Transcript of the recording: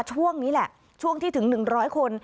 ช่วงนี้แหละช่วงที่ถึง๑๐๐คน